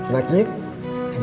makasih pak ustadz